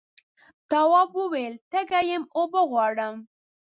تواب وویل تږی یم اوبه غواړم.